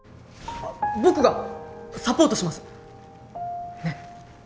僕がサポートします！ね！